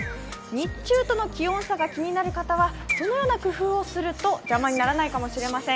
日中との気温差が気になる方は、そのような工夫をすると邪魔にならないかもしれません。